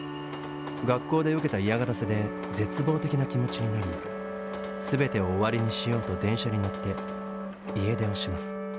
学校で受けた嫌がらせで絶望的な気持ちになり全てを終わりにしようと電車に乗って家出をします。